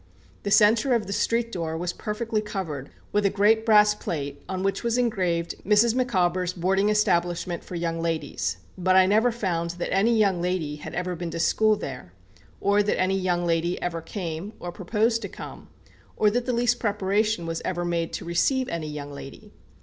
The centre of the street door was perfectly covered with a great brass plate, on which was engraved 'Mrs. Micawber's Boarding Establishment for Young Ladies;' but I never found that any young lady had ever been to school there; or that any young lady ever came, or proposed to come; or that the least preparation was ever made to receive any young lady.